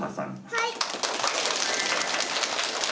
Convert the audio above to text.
はい！